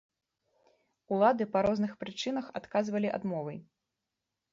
Улады па розных прычынах адказвалі адмовай.